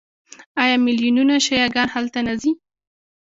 آیا میلیونونه شیعه ګان هلته نه ځي؟